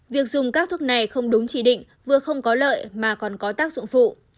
việc dùng các thuốc này không đúng chỉ định vừa không có lợi mà còn có tác dụng phụ